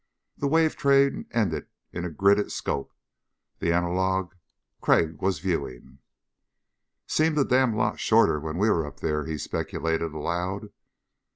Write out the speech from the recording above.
The wave train ended in a gridded scope the analog Crag was viewing. "Seemed a damned lot shorter when we were up there," he speculated aloud.